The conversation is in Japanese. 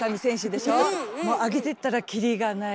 もう挙げてったら切りがない。